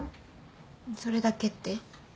それだけって？